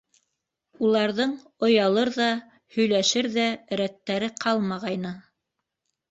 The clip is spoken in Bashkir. Уларҙың оялыр ҙа, һөйләшер ҙә рәттәре ҡалмағайны.